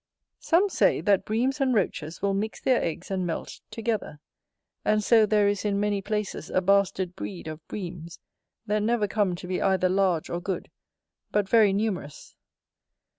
Some say, that Breams and Roaches will mix their eggs and melt together; and so there is in many places a bastard breed of Breams, that never come to be either large or good, but very numerous.